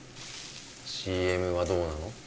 ＣＭはどうなの？